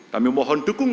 kami mohon dukungan